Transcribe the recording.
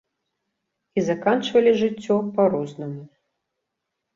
І заканчвалі жыццё па-рознаму.